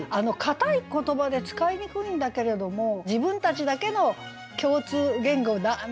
硬い言葉で使いにくいんだけれども「自分たちだけの共通言語だ！」